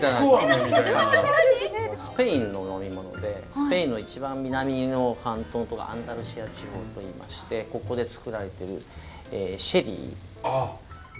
スペインの飲み物でスペインの一番南の半島のアンダルシア地方といいましてここで造られてるシェリー。